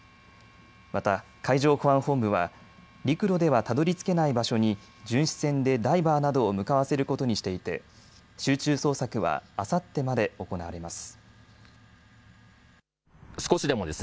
また海上保安本部は陸路ではたどりつけない場所に巡視船でダイバーなどを向かわせることにしていて、集中捜索はあさってまで行われます。